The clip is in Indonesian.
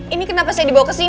ini kenapa saya dibawa kesini